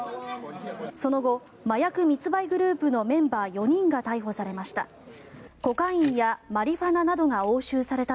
その後、麻薬密売グループのメンバー４人が逮捕されました。